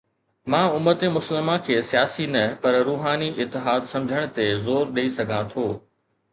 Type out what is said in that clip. مان امت مسلمه کي سياسي نه پر روحاني اتحاد سمجهڻ تي زور ڏئي سگهان ٿو.